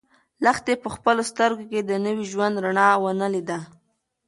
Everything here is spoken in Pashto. لښتې په خپلو سترګو کې د نوي ژوند رڼا ونه لیده.